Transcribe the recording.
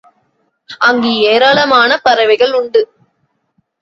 அங்கு ஏராளமான பாறைகள் உண்டு.